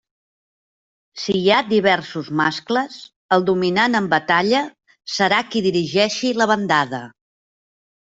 Si hi ha diversos mascles, el dominant en batalla serà qui dirigeixi la bandada.